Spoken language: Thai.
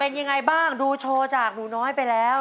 เป็นยังไงบ้างดูโชว์จากหนูน้อยไปแล้ว